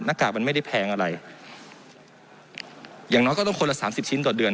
กากมันไม่ได้แพงอะไรอย่างน้อยก็ต้องคนละสามสิบชิ้นต่อเดือน